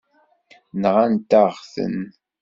Nɣant-aɣ-ten.